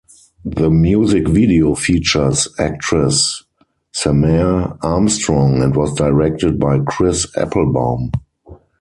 The music video features actress Samaire Armstrong and was directed by Chris Applebaum.